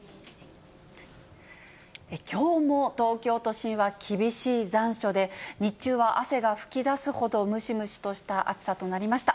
きょうも東京都心は厳しい残暑で、日中は汗が噴き出すほどムシムシとした暑さとなりました。